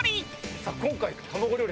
さあ今回卵料理